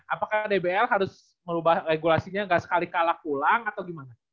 apakah dbl harus merubah regulasinya nggak sekali kalah pulang atau gimana